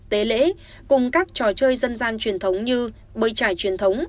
tế lễ cùng các trò chơi dân gian truyền thống như bơi trải truyền thống